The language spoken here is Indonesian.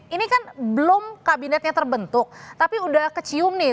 ini kan belum kabinetnya terbentuk tapi udah kecium nih